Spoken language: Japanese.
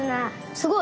すごい！